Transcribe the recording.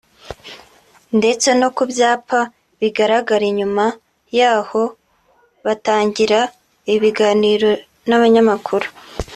ndetse no ku byapa bigaragara inyuma y’aho batangira ibiganiro n’abanyamakuru